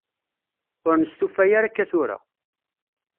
Ur nestufa ara akka tura.